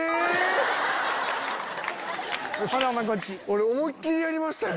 俺思いっ切りやりましたよ